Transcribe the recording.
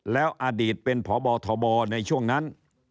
แล้วอดีตเป็นพบทบในช่วงนั้น